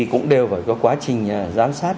cũng đều phải có quá trình giám sát